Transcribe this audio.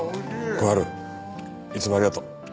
小春いつもありがとう。